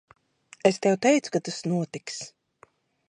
Es tev teicu, ka tas notiks.